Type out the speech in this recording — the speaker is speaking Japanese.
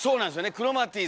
クロマティ！